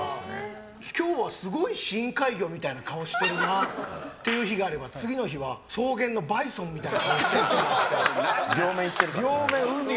今日はすごい深海魚みたいな顔してるなっていう日があれば次の日は草原のバイソンみたいな。